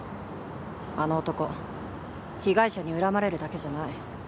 あの男被害者に恨まれるだけじゃない。